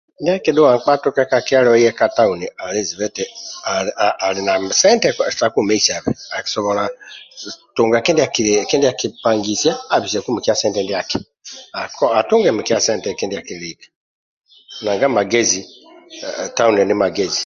Ndia kiidhuwa nkpa atuke ka kyalo ate ka tauni alizibe eti alina sente sa kwemeisaku akisola tunge kindia akipangisia abiseku mikia sente ndia nanga magezi tauni ni magezi